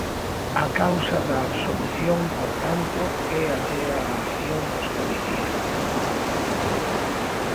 A causa da absolución, por tanto, é allea á acción dos policías.